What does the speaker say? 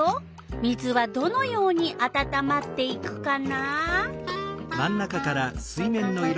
水はどのようにあたたまっていくかな？